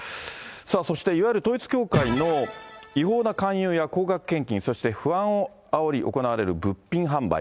さあ、そしていわゆる統一教会の違法な勧誘や高額献金、そして不安をあおり行われる物品販売。